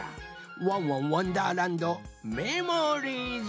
「ワンワンわんだーらんどメモリーズ」。